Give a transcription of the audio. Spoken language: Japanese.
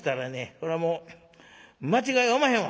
これはもう間違いおまへんわ」。